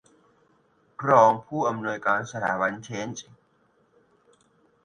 รองผู้อำนวยการสถาบันเชนจ์